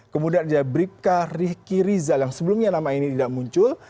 kemudian ada bribka riki rizal yang sebelumnya nama ini tidak muncul